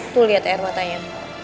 tuh liat air matanya